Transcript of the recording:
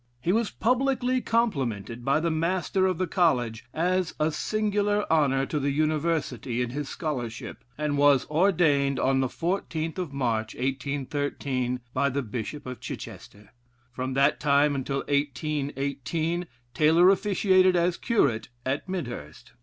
He was publicly complimented by the Master of the College as a singular honor to the University in his scholarship, and was ordained on the 14th of March, 1813, by the bishop of Chichester; from that time until 1818, Taylor officiated as curate at Midhurst.